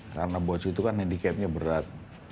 karena bohcia itu kan handicapnya berat